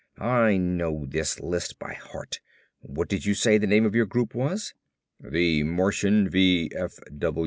I know this list by heart. What did you say the name of your group was?" "The Martian V.